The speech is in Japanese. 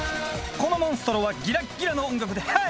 このモンストロはギラッギラの音楽でヘイ！